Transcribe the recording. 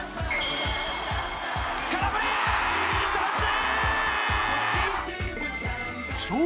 空振り三振！